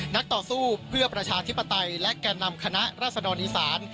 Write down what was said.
นักตอบสู้เพื่อประชาธิปไตและการนำคณะรัศนานีสาร